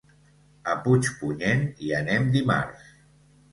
A Puigpunyent hi anem dimarts.